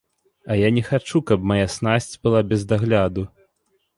А я не хачу, каб мая снасць была без дагляду?